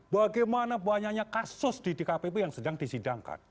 bagaimana banyaknya kasus di dkpp yang sedang disidangkan